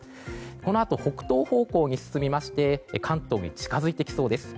このあと、北東方向に進みまして関東に近づいてきそうです。